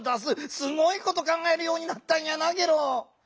すごいこと考えるようになったんやなゲロ！